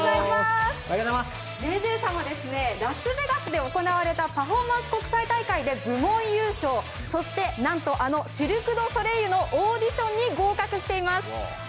ＪＪさんはラスベガスで行われたパフォーマンス国際大会で部門優勝、そしてなんとあのシルク・ドゥ・ソレイユのオーディションに合格しています。